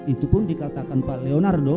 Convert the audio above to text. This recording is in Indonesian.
itu pun dikatakan pak leonardo